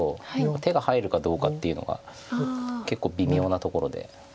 手が入るかどうかっていうのが結構微妙なところで。